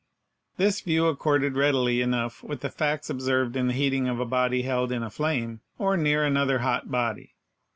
This view accorded readily enough with the facts observed in the heating of a body held in a flame, or near HEAT 51 another hot body.